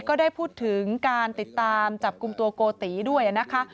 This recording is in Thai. ก็ได้พูดถึงการติดตามจับกลุ่มตัวโกติด้วยนะคะ